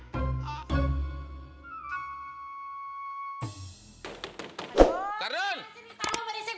pak haji ini tolong berisik